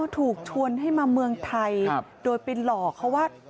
อ๋อถูกชวนให้มาเมืองไทยครับโดยเป็นหลอกเขาว่า